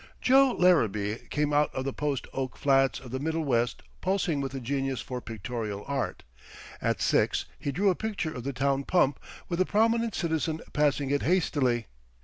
Joe Larrabee came out of the post oak flats of the Middle West pulsing with a genius for pictorial art. At six he drew a picture of the town pump with a prominent citizen passing it hastily.